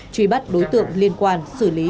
truy bắt đối tượng liên quan xử lý